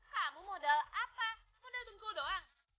kamu modal apa